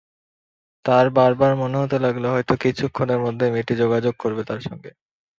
তাঁর বারবার মনে হতে লাগল, হয়তো কিছুক্ষণের মধ্যেই মেয়েটি যোগাযোগ করবে তাঁর সঙ্গে।